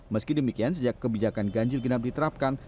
meski demikian sejak kebijakan ganjil genap diterapkan